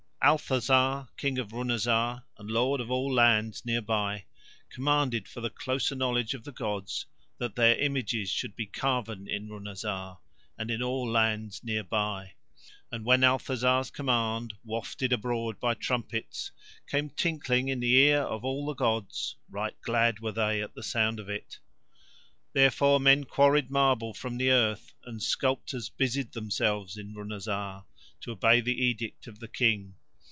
Althazar, King of Runazar, and lord of all lands near by, commanded for the closer knowledge of the gods that Their images should be carven in Runazar, and in all lands near by. And when Althazar's command, wafted abroad by trumpets, came tinkling in the ear of all the gods, right glad were They at the sound of it. Therefore men quarried marble from the earth, and sculptors busied themselves in Runazar to obey the edict of the King.